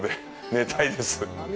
寝たいです。